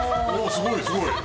すごいすごい。